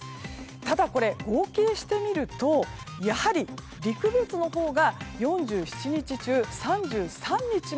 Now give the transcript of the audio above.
ただ、合計してみるとやはり陸別のほうが４７日中３３日も